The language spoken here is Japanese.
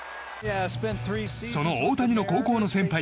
その大谷の高校の先輩